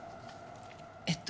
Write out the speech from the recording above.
えっと。